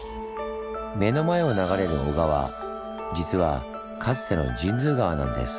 目の前を流れる小川実はかつての神通川なんです。